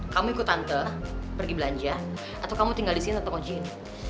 kamu ikut tante pergi belanja atau kamu tinggal di sini tetap ojin